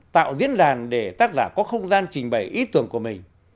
tạo diễn đàn để tác giả có không gian trình bày ý tưởng của mình